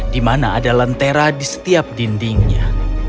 di mana ada lentera di setiap dindingnya